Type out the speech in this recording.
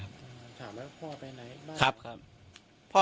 ถามว่าพ่อไปไหนบ้างครับ